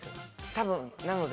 多分なので。